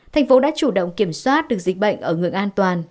thành phố đã chủ động kiểm soát được dịch bệnh ở ngưỡng an toàn